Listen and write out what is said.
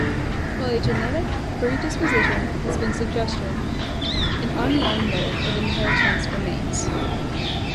While a genetic predisposition has been suggested, an unknown mode of inheritance remains.